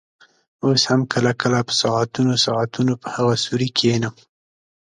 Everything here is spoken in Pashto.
اوس هم کله کله په ساعتونو ساعتونو په هغه سوري کښېنم.